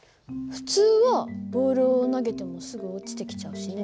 普通はボールを投げてもすぐ落ちてきちゃうしね。